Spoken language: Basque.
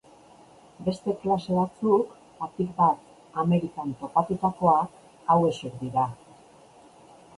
Beste klase batzuk, batik bat Amerikan topatutakoak hauexek dira.